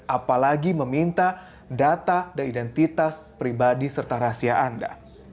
apalagi meminta data dan identitas pribadi serta rahasia anda